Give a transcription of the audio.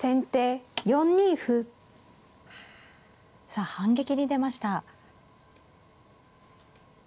さあ反撃に出ました。